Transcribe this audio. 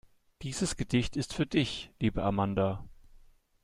Dieses Gedicht ist für dich, liebe Amanda.